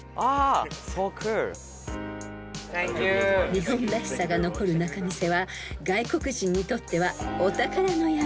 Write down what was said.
［日本らしさが残る仲見世は外国人にとってはお宝の山］